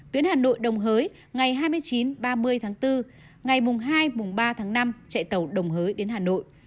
tuyến hà nội đồng hới ngày hai mươi chín ba mươi tháng bốn ngày mùng hai mùng ba tháng năm chạy tàu đồng hới đến hà nội